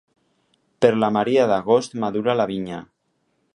Per la Maria d'agost madura la vinya.